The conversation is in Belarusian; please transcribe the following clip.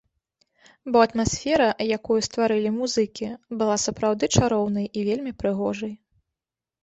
Бо атмасфера, якую стварылі музыкі, была сапраўдны чароўнай і вельмі прыгожай.